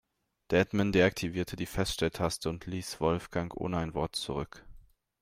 Der Admin deaktivierte die Feststelltaste und ließ Wolfgang ohne ein Wort zurück.